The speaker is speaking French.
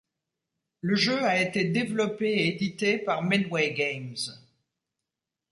Le jeu a été développé et édité par Midway Games.